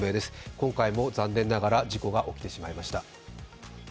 今回も残念ながら事故が起きてしまいました。